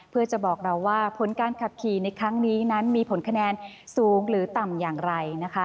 เพื่อจะบอกเราว่าผลการขับขี่ในครั้งนี้นั้นมีผลคะแนนสูงหรือต่ำอย่างไรนะคะ